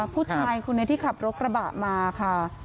ผู้ชายคนนี้ที่ขับรถกระบะมาค่ะ